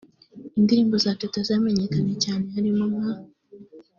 Indirimbo za Teta zamenyekanye cyane harimo nka